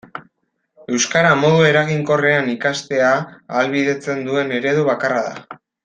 Euskara modu eraginkorrean ikastea ahalbidetzen duen eredu bakarra da.